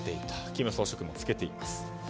金総書記も着けています。